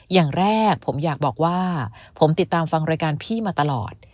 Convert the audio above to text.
อย่างแรกผมอยากบอกว่าผมติดตามฟังรายการพี่มาตลอด